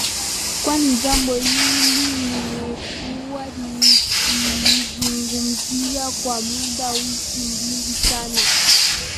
kwani jambo hili nimekuwa nikilizungumzia kwa muda wiki mbili sasa